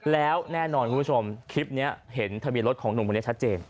แล้วแน่นอนคุณผู้ชมคลิปนี้เห็นทะเบียนรถของหนุ่มคนนี้ชัดเจน